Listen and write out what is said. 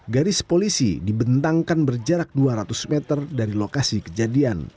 garis polisi dibentangkan berjarak dua ratus meter dari lokasi kejadian